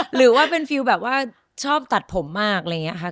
หรือว่าเป็นฟิลแบบว่าชอบตัดผมมากอะไรอย่างนี้ค่ะ